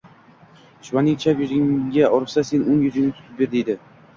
Dushmaning chap yuzingga ursa, sen... o‘ng yuzingni tutib ber, deydi.